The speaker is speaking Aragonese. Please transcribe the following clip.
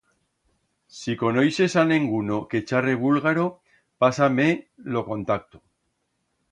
Si conoixes a nenguno que charre bulgaro, pasa-me lo contacto.